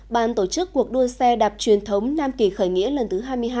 bàn tổ chức cuộc đua xe đạp truyền thống nam kỳ khởi nghĩa lần thứ hai mươi hai